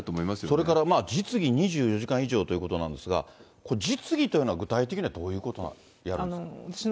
それから、実技２４時間以上ということなんですが、これ、実技というのは具体的にどういうことをやるんですか。